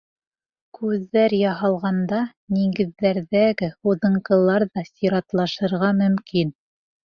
Күҙҙәр яһалғанда нигеҙҙәрҙәге һуҙынҡылар ҙа сиратлашырға мөмкин.